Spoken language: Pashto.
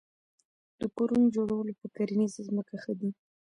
د کورونو جوړول په کرنیزه ځمکه ښه دي؟